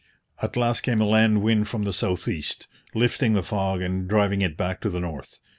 At last came a land wind from the south east, lifting the fog and driving it back to the north.